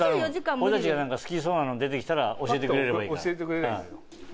俺たちが好きそうなの出て来たら教えてくれればいいから。